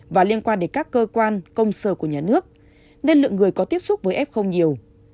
và liên quan đến các cơ quan công sở của nhà nước nên lượng người có tiếp xúc với f không nhiều